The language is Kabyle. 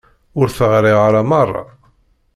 Ur t-ɣriɣ ara merra.